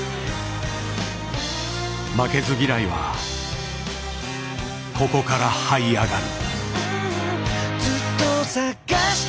負けず嫌いはここからはい上がる。